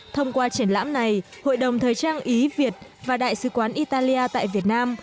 thông qua triển lãm này hội đồng thời trang ý việt và đại sứ quán italia tại việt nam